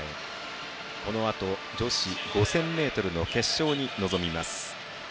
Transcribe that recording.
このあと女子５０００ｍの決勝に臨みます。